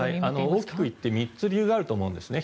大きく言って３つ理由があると思うんですね。